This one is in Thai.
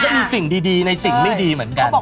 มีสิ่งดีในสิ่งไม่ดีเหมือนกัน